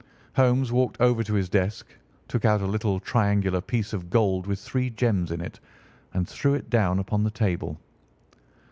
Holmes walked over to his desk, took out a little triangular piece of gold with three gems in it, and threw it down upon the table.